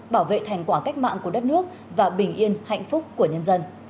bảo vệ thành quả cách mạng của đất nước và bình yên hạnh phúc của nhân dân